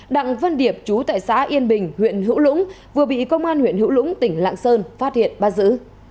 đặng văn điệp chú tại xã yên bình huyện hữu lũng vừa bị công an huyện hữu lũng tỉnh lạng sơn phát hiện bắt giữ